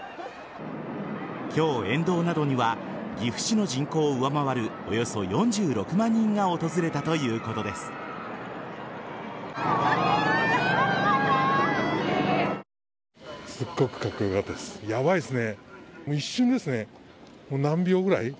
今日、沿道などには岐阜市の人口を上回るおよそ４６万人が訪れたということです。